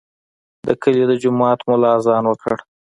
د کلي د جومات ملا اذان وکړ.